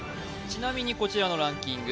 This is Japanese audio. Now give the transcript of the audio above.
ちなみにこちらのランキング